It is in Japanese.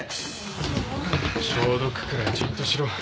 消毒くらいちゃんとしろ。